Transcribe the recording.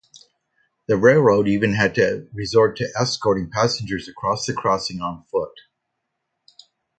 The railway even had to resort to escorting passengers across the crossing on foot.